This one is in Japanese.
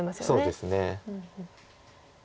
そうですね。